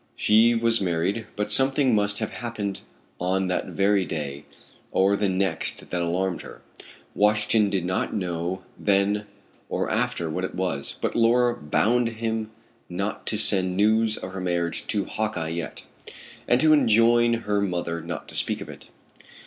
She was married, but something must have happened on that very day or the next that alarmed her. Washington did not know then or after what it was, but Laura bound him not to send news of her marriage to Hawkeye yet, and to enjoin her mother not to speak of it.